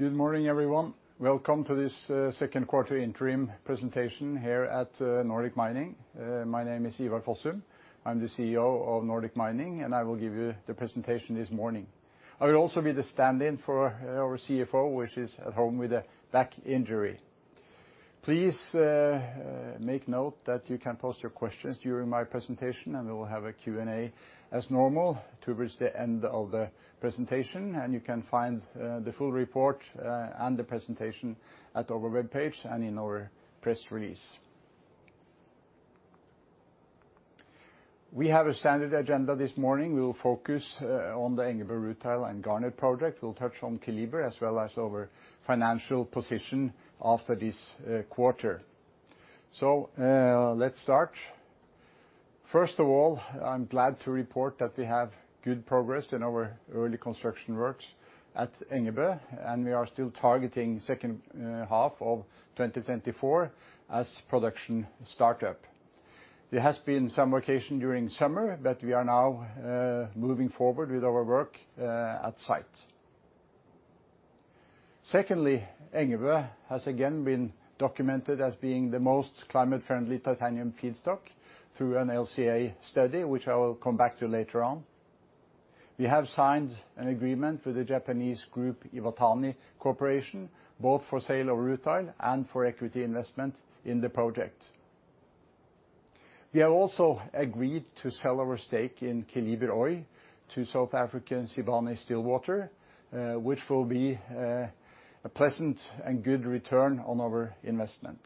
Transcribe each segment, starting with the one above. Good morning, everyone. Welcome to this second quarter interim presentation here at Nordic Mining. My name is Ivar Fossum. I'm the CEO of Nordic Mining, and I will give you the presentation this morning. I will also be the stand-in for our CFO, which is at home with a back injury. Please make note that you can post your questions during my presentation, and we will have a Q&A as normal towards the end of the presentation. You can find the full report and the presentation at our web page and in our press release. We have a standard agenda this morning. We will focus on the Engebø Rutile and Garnet project. We'll touch on Keliber as well as our financial position after this quarter. Let's start. First of all, I'm glad to report that we have good progress in our early construction works at Engebø, and we are still targeting the second half of 2024 as production startup. There has been some vacation during summer, but we are now moving forward with our work at site. Secondly, Engebø has again been documented as being the most climate-friendly titanium feedstock through an LCA study, which I will come back to later on. We have signed an agreement with the Japanese group Iwatani Corporation, both for sale of rutile and for equity investment in the project. We have also agreed to sell our stake in Keliber Oy to South African Sibanye-Stillwater, which will be a pleasant and good return on our investment.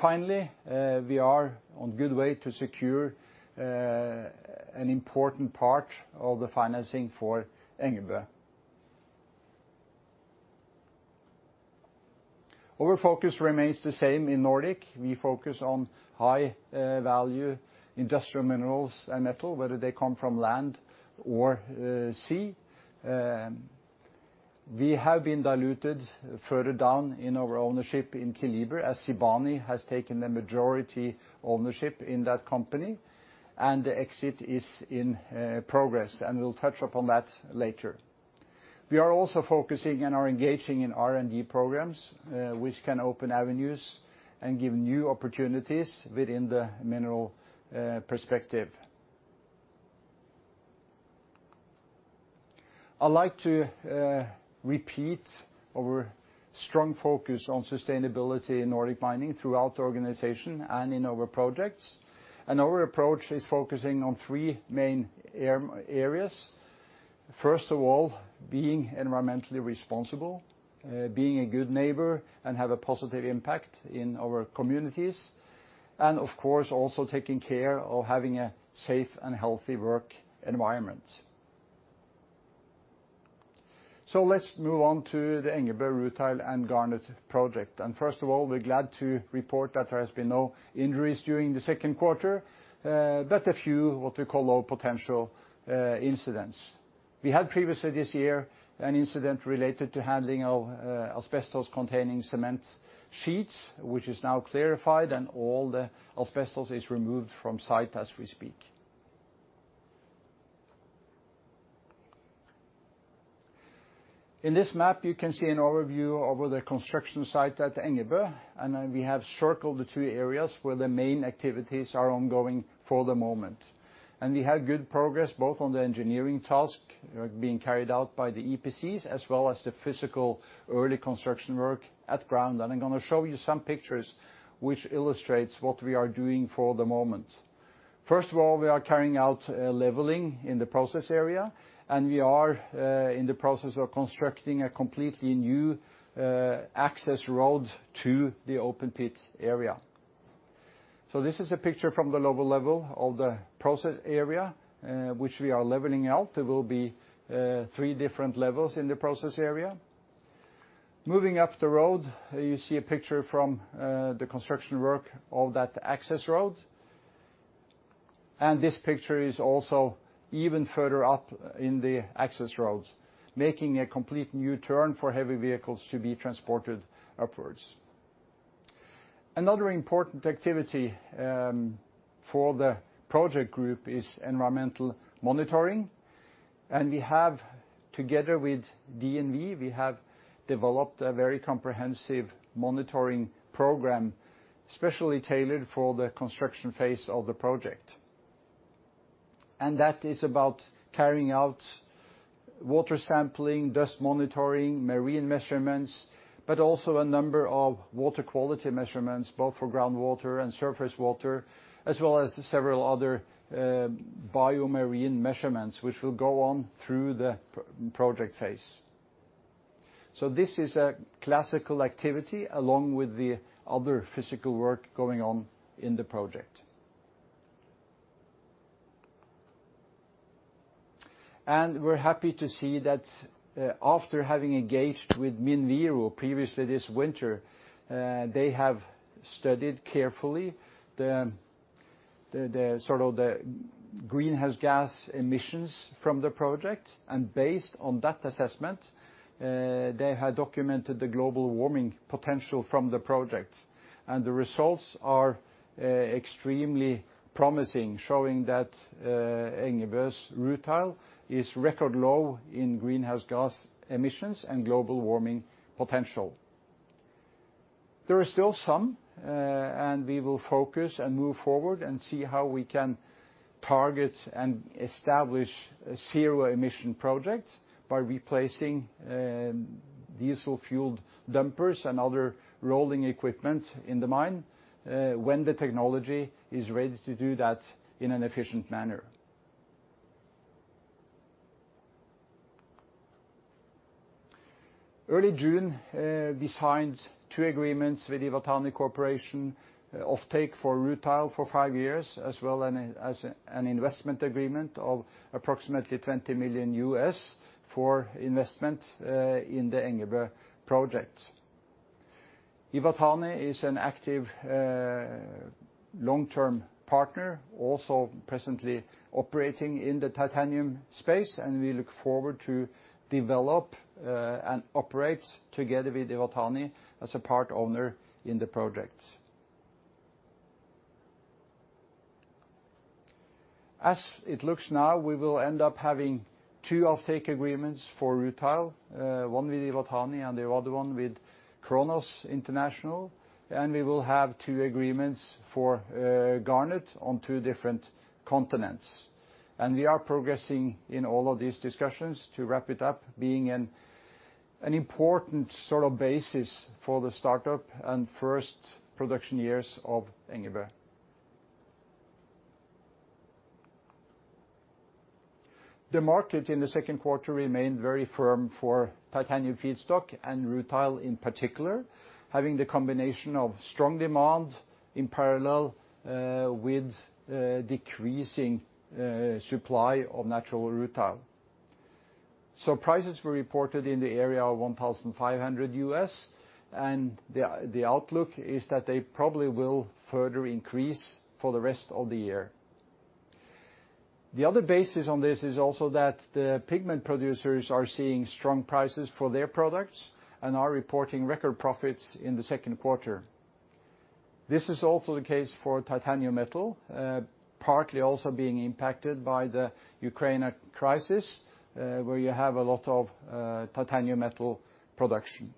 Finally, we are on a good way to secure an important part of the financing for Engebø. Our focus remains the same in Nordic. We focus on high-value industrial minerals and metal, whether they come from land or sea. We have been diluted further down in our ownership in Keliber as Sibanye-Stillwater has taken the majority ownership in that company, and the exit is in progress, and we'll touch upon that later. We are also focusing and are engaging in R&D programs, which can open avenues and give new opportunities within the mineral perspective. I'd like to repeat our strong focus on sustainability in Nordic Mining throughout the organization and in our projects. Our approach is focusing on three main areas. First of all, being environmentally responsible, being a good neighbor, and having a positive impact in our communities, and of course, also taking care of having a safe and healthy work environment. Let's move on to the Engebø Rutile and Garnet project. First of all, we're glad to report that there have been no injuries during the second quarter, but a few, what we call low potential incidents. We had previously this year an incident related to handling of asbestos-containing cement sheets, which is now clarified, and all the asbestos is removed from site as we speak. In this map, you can see an overview of the construction site at Engebø, and we have circled the two areas where the main activities are ongoing for the moment. We have good progress both on the engineering task being carried out by the EPCs as well as the physical early construction work at ground. I'm going to show you some pictures which illustrate what we are doing for the moment. First of all, we are carrying out leveling in the process area, and we are in the process of constructing a completely new access road to the open pit area. This is a picture from the lower level of the process area, which we are leveling out. There will be three different levels in the process area. Moving up the road, you see a picture from the construction work of that access road. This picture is also even further up in the access road, making a complete new turn for heavy vehicles to be transported upwards. Another important activity for the project group is environmental monitoring. Together with DNV, we have developed a very comprehensive monitoring program, specially tailored for the construction phase of the project. That is about carrying out water sampling, dust monitoring, marine measurements, but also a number of water quality measurements, both for groundwater and surface water, as well as several other biomarine measurements, which will go on through the project phase. This is a classical activity along with the other physical work going on in the project. We're happy to see that after having engaged with Minviro previously this winter, they have studied carefully the greenhouse gas emissions from the project. Based on that assessment, they have documented the global warming potential from the project. The results are extremely promising, showing that Engebø's rutile is record low in greenhouse gas emissions and global warming potential. There are still some, and we will focus and move forward and see how we can target and establish zero-emission projects by replacing diesel-fueled dumpers and other rolling equipment in the mine when the technology is ready to do that in an efficient manner. Early June, we signed two agreements with the Iwatani Corporation, off-take for rutile for five years, as well as an investment agreement of approximately $20 million for investment in the Engebø project. Iwatani is an active long-term partner, also presently operating in the titanium space, and we look forward to develop and operate together with Iwatani as a part owner in the project. As it looks now, we will end up having two off-take agreements for rutile, one with Iwatani and the other one with Kronos International, and we will have two agreements for garnet on two different continents. We are progressing in all of these discussions to wrap it up, being an important basis for the startup and first production years of Engebø. The market in the second quarter remained very firm for titanium feedstock and rutile in particular, having the combination of strong demand in parallel with decreasing supply of natural rutile. Prices were reported in the area of $1,500, and the outlook is that they probably will further increase for the rest of the year. The other basis on this is also that the pigment producers are seeing strong prices for their products and are reporting record profits in the second quarter. This is also the case for titanium metal, partly also being impacted by the Ukraine crisis, where you have a lot of titanium metal production.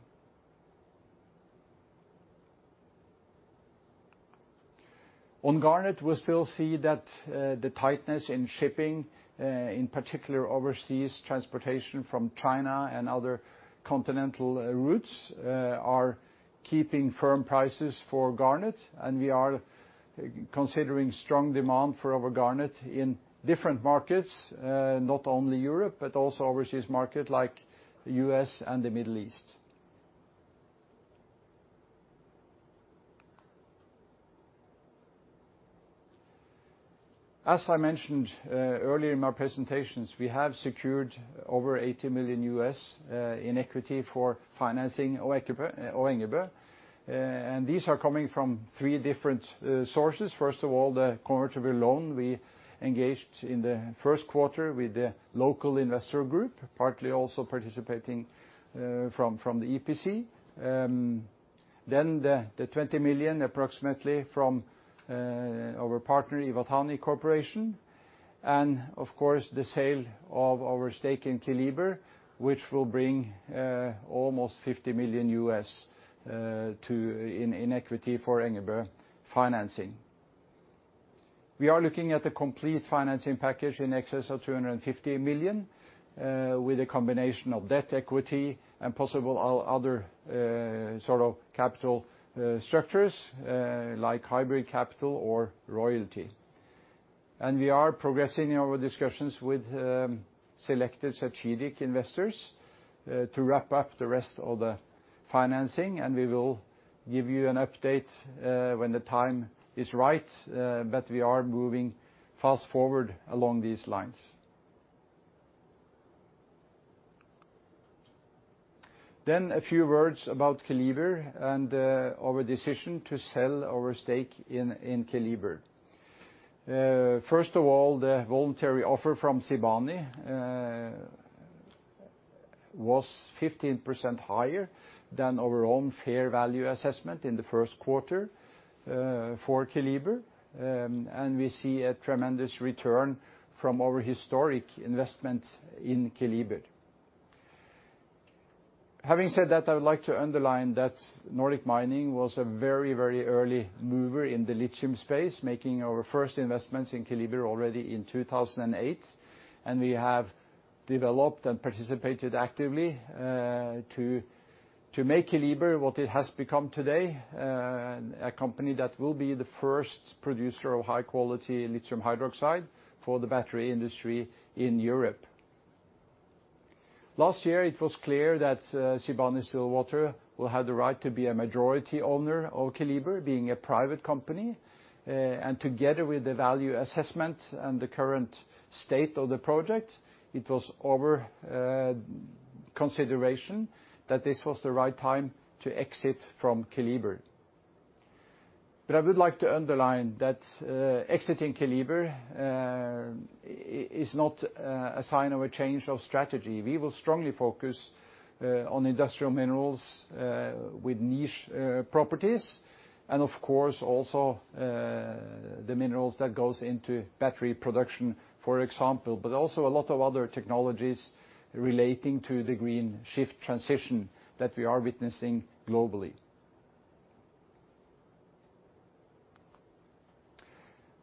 On garnet, we still see that the tightness in shipping, in particular overseas transportation from China and other continental routes, are keeping firm prices for garnet, and we are considering strong demand for our garnet in different markets, not only Europe, but also overseas markets like the U.S. and the Middle East. As I mentioned earlier in my presentations, we have secured over $80 million in equity for financing Engebø. These are coming from three different sources. First of all, the convertible loan we engaged in the first quarter with the local investor group, partly also participating from the EPC. The $20 million, approximately, from our partner, Iwatani Corporation. Of course, the sale of our stake in Keliber, which will bring almost $50 million in equity for Engebø financing. We are looking at a complete financing package in excess of $250 million, with a combination of debt, equity, and possible other capital structures like hybrid capital or royalty. We are progressing in our discussions with selected strategic investors to wrap up the rest of the financing, and we will give you an update when the time is right, but we are moving fast forward along these lines. A few words about Keliber and our decision to sell our stake in Keliber. First of all, the voluntary offer from Sibanye-Stillwater was 15% higher than our own fair value assessment in the first quarter for Keliber, and we see a tremendous return from our historic investment in Keliber. Having said that, I would like to underline that Nordic Mining was a very, very early mover in the lithium space, making our first investments in Keliber already in 2008. We have developed and participated actively to make Keliber what it has become today, a company that will be the first producer of high-quality lithium hydroxide for the battery industry in Europe. Last year, it was clear that Sibanye-Stillwater will have the right to be a majority owner of Keliber, being a private company. Together with the value assessment and the current state of the project, it was our consideration that this was the right time to exit from Keliber. I would like to underline that exiting Keliber is not a sign of a change of strategy. We will strongly focus on industrial minerals with niche properties, and of course, also the minerals that go into battery production, for example, but also a lot of other technologies relating to the green shift transition that we are witnessing globally.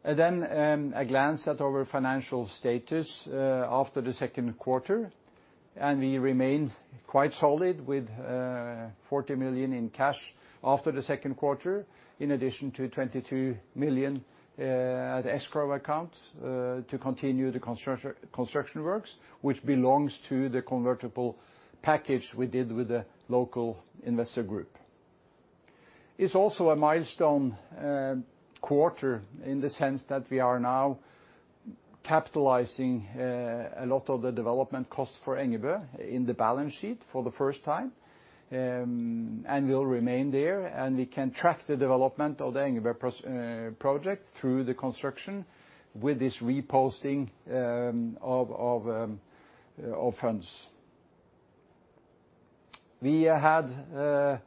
A glance at our financial status after the second quarter. We remain quite solid with $40 million in cash after the second quarter, in addition to $22 million at escrow accounts to continue the construction works, which belongs to the convertible package we did with the local investor group. It is also a milestone quarter in the sense that we are now capitalizing a lot of the development cost for Engebø in the balance sheet for the first time, and will remain there, and we can track the development of the Engebø project through the construction with this reposting of funds. We had a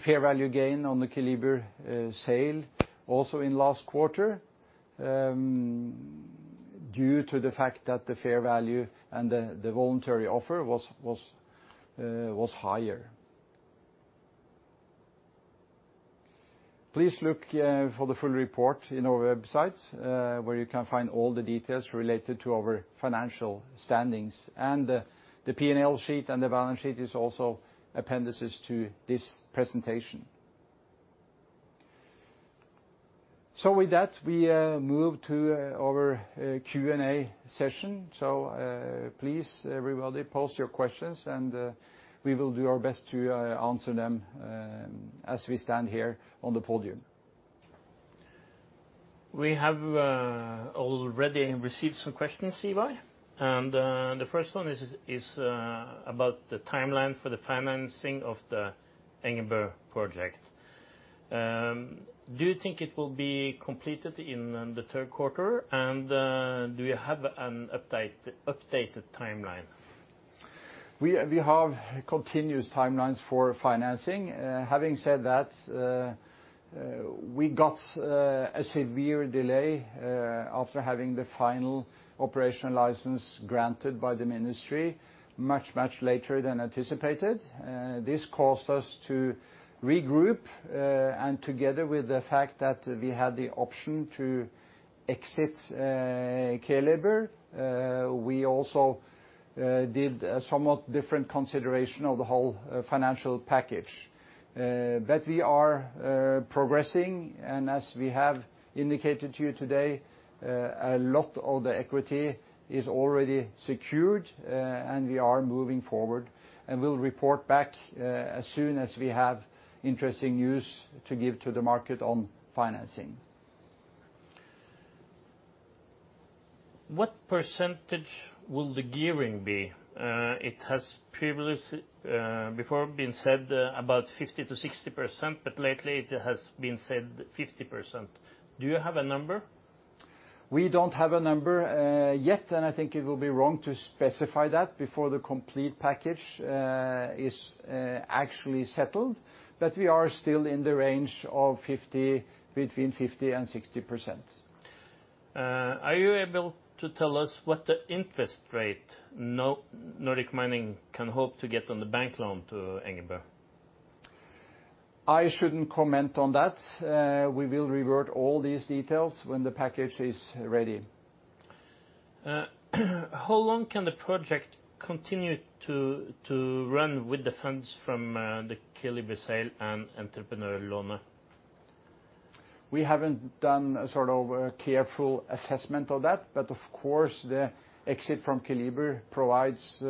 fair value gain on the Keliber sale also in last quarter due to the fact that the fair value and the voluntary offer was higher. Please look for the full report on our website where you can find all the details related to our financial standings. The P&L sheet and the balance sheet are also appendices to this presentation. With that, we move to our Q&A session. Please, everybody, post your questions, and we will do our best to answer them as we stand here on the podium. We have already received some questions, Ivar. The first one is about the timeline for the financing of the Engebø project. Do you think it will be completed in the third quarter, and do you have an updated timeline? We have continuous timelines for financing. Having said that, we got a severe delay after having the final operational license granted by the ministry, much, much later than anticipated. This caused us to regroup, and together with the fact that we had the option to exit Keliber, we also did a somewhat different consideration of the whole financial package. We are progressing, and as we have indicated to you today, a lot of the equity is already secured, and we are moving forward and will report back as soon as we have interesting news to give to the market on financing. What percentage will the gearing be? It has previously been said about 50-60%, but lately it has been said 50%. Do you have a number? We do not have a number yet, and I think it will be wrong to specify that before the complete package is actually settled, but we are still in the range of between 50 and 60%. Are you able to tell us what the interest rate Nordic Mining can hope to get on the bank loan to Engebø? I shouldn't comment on that. We will revert all these details when the package is ready. How long can the project continue to run with the funds from the Keliber sale and entrepreneur loan? We haven't done a careful assessment of that, but of course, the exit from Keliber provides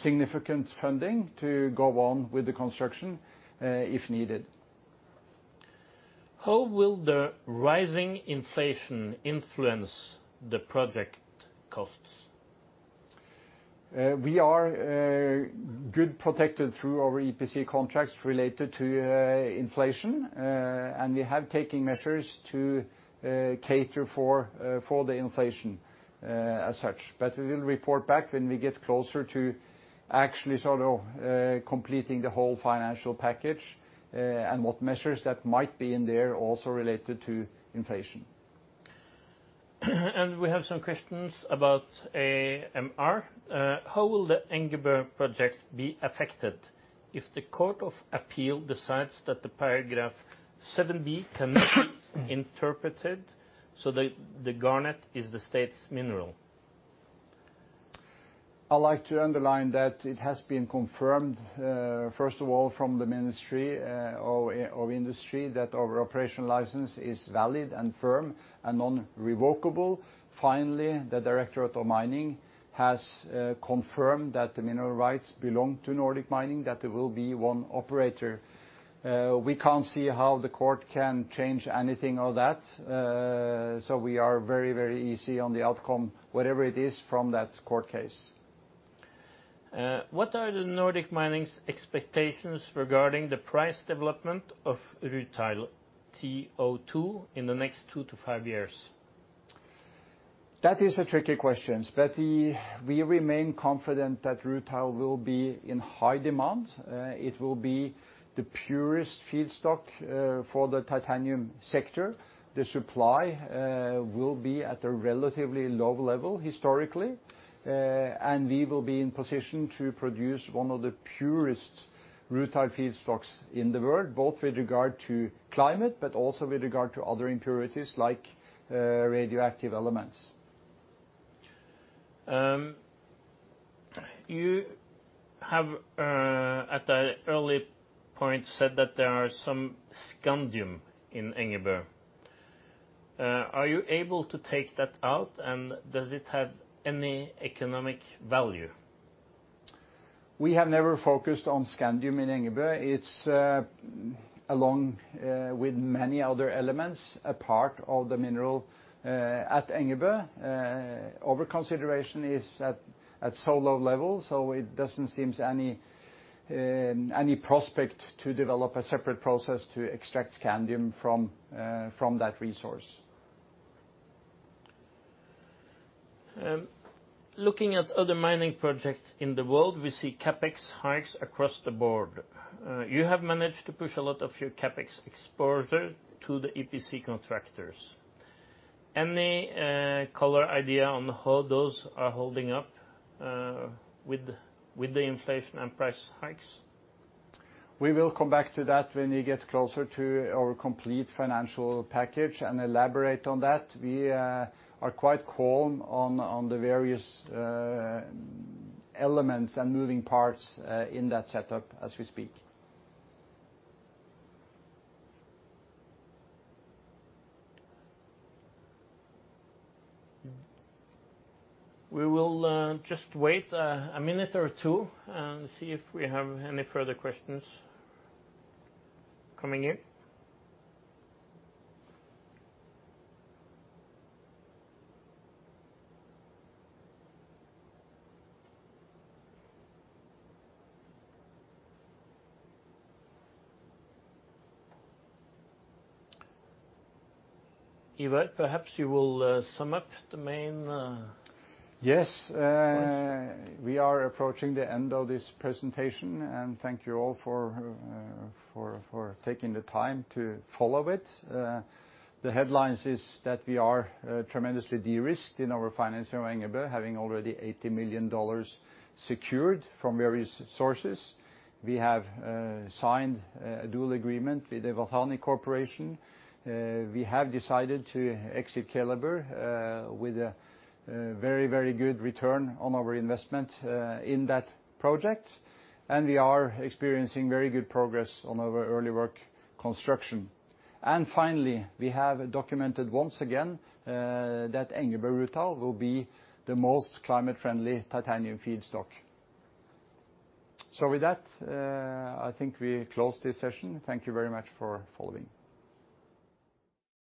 significant funding to go on with the construction if needed. How will the rising inflation influence the project costs? We are good protected through our EPC contracts related to inflation, and we have taken measures to cater for the inflation as such. We will report back when we get closer to actually completing the whole financial package and what measures that might be in there also related to inflation. We have some questions about AMR. How will the Engebø project be affected if the Court of Appeal decides that the paragraph 7B can be interpreted so that the garnet is the state's mineral? I'd like to underline that it has been confirmed, first of all, from the Ministry of Industry, that our operational license is valid and firm and non-revocable. Finally, the Directorate of Mining has confirmed that the mineral rights belong to Nordic Mining, that there will be one operator. We can't see how the court can change anything of that, so we are very, very easy on the outcome, whatever it is from that court case. What are Nordic Mining's expectations regarding the price development of Rutile TiO2 in the next two to five years? That is a tricky question, but we remain confident that rutile will be in high demand. It will be the purest feedstock for the titanium sector. The supply will be at a relatively low level historically, and we will be in position to produce one of the purest rutile feedstocks in the world, both with regard to climate, but also with regard to other impurities like radioactive elements. You have, at an early point, said that there are some scandium in Engebø. Are you able to take that out, and does it have any economic value? We have never focused on scandium in Engebø. It's along with many other elements, a part of the mineral at Engebø. Our consideration is at so low level, so it doesn't seem any prospect to develop a separate process to extract scandium from that resource. Looking at other mining projects in the world, we see CapEx hikes across the board. You have managed to push a lot of your CapEx exposure to the EPC contractors. Any color idea on how those are holding up with the inflation and price hikes? We will come back to that when we get closer to our complete financial package and elaborate on that. We are quite calm on the various elements and moving parts in that setup as we speak. We will just wait a minute or two and see if we have any further questions coming in. Ivar, perhaps you will sum up the main points. Yes. We are approaching the end of this presentation, and thank you all for taking the time to follow it. The headlines are that we are tremendously de-risked in our financing of Engebø, having already $80 million secured from various sources. We have signed a dual agreement with the Iwatani Corporation. We have decided to exit Keliber with a very, very good return on our investment in that project, and we are experiencing very good progress on our early work construction. Finally, we have documented once again that Engebø rutile will be the most climate-friendly titanium feedstock. With that, I think we close this session. Thank you very much for following.